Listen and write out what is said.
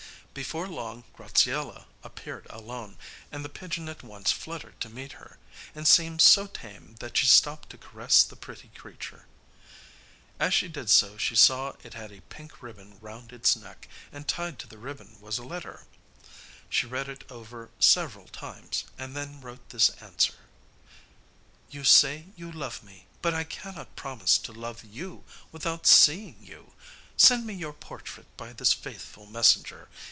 Before long Graziella appeared alone, and the pigeon at once fluttered to meet her, and seemed so tame that she stopped to caress the pretty creature. As she did so she saw it had a pink ribbon round its neck, and tied to the ribbon was a letter. She read it over several times and then wrote this answer: 'You say you love me; but I cannot promise to love you without seeing you. Send me your portrait by this faithful messenger.